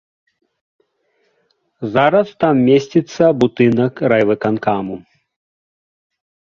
Зараз там месціцца будынак райвыканкаму.